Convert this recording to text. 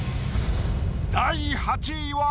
第８位は？